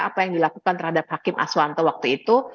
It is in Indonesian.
apa yang dilakukan terhadap hakim aswanto waktu itu